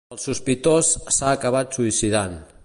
El sospitós s’ha acabat suïcidant.